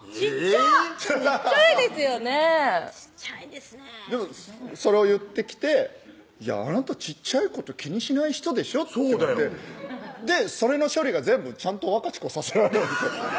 ちっちゃいですよねちっちゃいですねでもそれを言ってきて「あなたちっちゃいこと気にしない人でしょ？」ってそれの処理が全部ちゃんと「ワカチコ」させられるんですよ